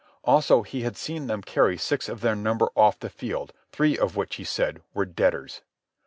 Also he had seen them carry six of their number off the field, three of which, he said, were deaders.